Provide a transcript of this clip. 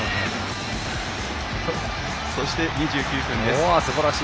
そして２９分です。